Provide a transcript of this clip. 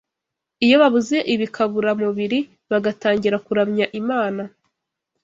Iyo babuze ibikaburamubiri, bagatangira kuramya Imana,